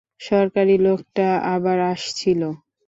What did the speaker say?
সরকারি লোকটা, আবার আসছিলো?